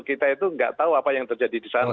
kita itu nggak tahu apa yang terjadi di sana